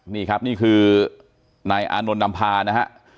นี่ครับนี่คือนายอานนท์นำพานะฮะ